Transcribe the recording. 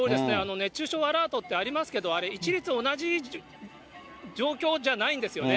熱中症アラートってありますけれども、あれ、一律、同じ状況じゃないんですよね。